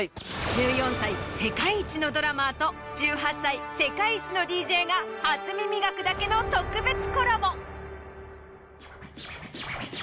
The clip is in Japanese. １４歳世界一のドラマーと１８歳世界一の ＤＪ が『初耳学』だけの特別コラボ！